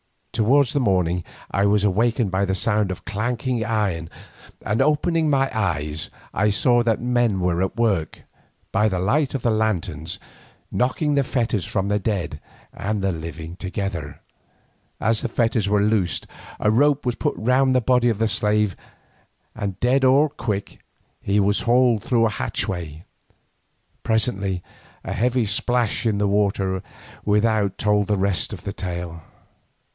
Towards the morning I was awakened by a sound of clanking iron, and opening my eyes, I saw that men were at work, by the light of lanterns, knocking the fetters from the dead and the living together. As the fetters were loosed a rope was put round the body of the slave, and dead or quick, he was hauled through the hatchway. Presently a heavy splash in the water without told the rest of the tale.